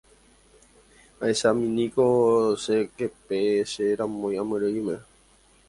Ahechamíniko che képe che ramói amyrỹime.